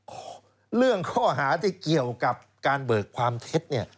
เรื่องข้อหาที่เกี่ยวกับการเบิกความเท็จเนี่ย